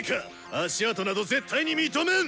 足跡など絶対に認めん！